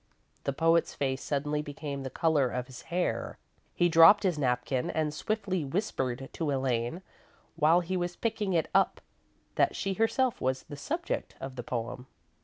The poet's face suddenly became the colour of his hair. He dropped his napkin, and swiftly whispered to Elaine, while he was picking it up, that she herself was the subject of the poem.